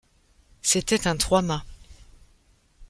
C’était un trois-mâts.